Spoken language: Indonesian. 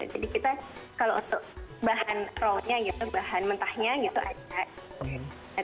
jadi kita kalau untuk bahan rawnya gitu bahan mentahnya gitu aja